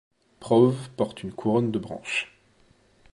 Prov porte une couronne de branches.